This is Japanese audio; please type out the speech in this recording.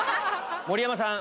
盛山さん